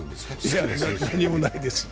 いや、何もないです。